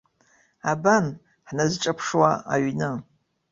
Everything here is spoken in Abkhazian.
Абан, ҳназҿаԥшуа аҩны!